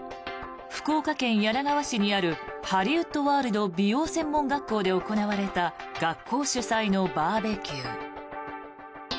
福岡県柳川市にあるハリウッドワールド美容専門学校で行われた学校主催のバーベキュー。